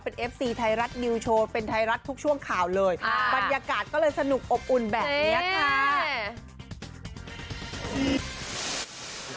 เป็นเอฟซีไทยรัฐนิวโชว์เป็นไทยรัฐทุกช่วงข่าวเลยบรรยากาศก็เลยสนุกอบอุ่นแบบนี้ค่ะ